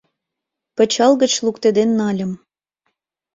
Пычал гыч луктеден нальым.